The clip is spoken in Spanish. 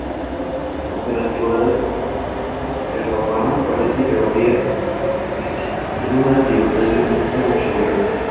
Aunque en la antigüedad prerromana parece que habría existido una diversidad lingüística mucho mayor.